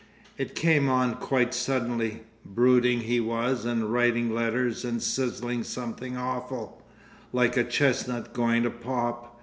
It came on quite suddenly. Brooding he was and writing letters and sizzling something awful—like a chestnut going to pop.